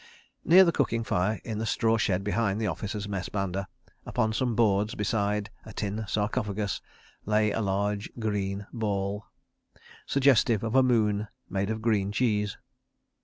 ... Near the cooking fire in the straw shed behind the Officers' Mess banda, upon some boards beside a tin sarcophagus, lay a large green ball, suggestive of a moon made of green cheese.